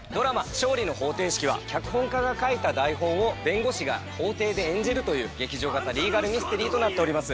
『勝利の法廷式』は脚本家が書いた台本を弁護士が法廷で演じるという劇場型リーガルミステリーとなっております。